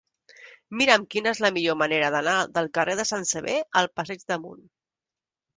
Mira'm quina és la millor manera d'anar del carrer de Sant Sever al passeig d'Amunt.